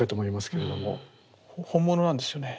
本物なんですよね？